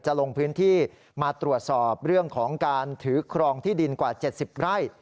ลงพื้นที่มาตรวจสอบเรื่องของการถือครองที่ดินกว่า๗๐ไร่